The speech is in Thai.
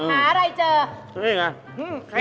หาอะไรเจอ